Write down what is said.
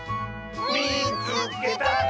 「みいつけた！」。